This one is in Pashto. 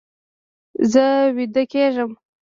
زه ویده کیږم